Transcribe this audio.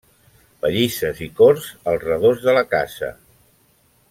Pallisses i corts al redós de la casa.